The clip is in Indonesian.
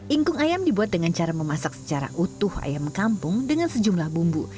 ingkung ayam dibuat dengan cara memasak secara utuh ayam kampung dengan sejumlah bumbu